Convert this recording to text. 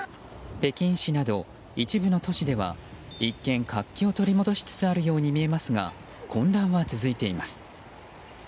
北京市など、一部の都市では一見、活気を取り戻しつつあるように見えますが混乱は続いています。